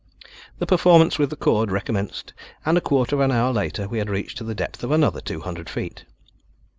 The performance with the cord recommenced, and a quarter of an hour later we had reached to the depth of another two hundred feet.